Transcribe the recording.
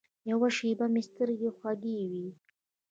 یوه شېبه مې سترګې خوږې وې.